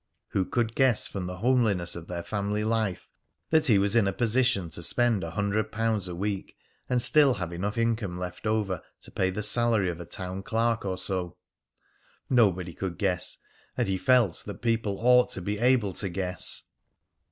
Who could guess from the homeliness of their family life that he was in a position to spend a hundred pounds a week and still have enough income left over to pay the salary of a town clerk or so? Nobody could guess; and he felt that people ought to be able to guess.